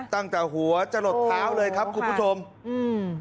ตั้งแต่หัวจะหลดเท้าเลยครับคุณผู้ชมอืม